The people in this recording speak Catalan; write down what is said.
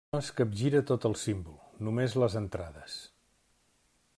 No es capgira tot el símbol; només les entrades.